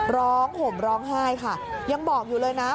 ห่มร้องไห้ค่ะยังบอกอยู่เลยนะ